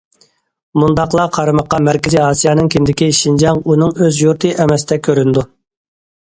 مۇنداقلا قارىماققا مەركىزىي ئاسىيانىڭ كىندىكى شىنجاڭ ئۇنىڭ ئۆز يۇرتى ئەمەستەك كۆرۈنىدۇ.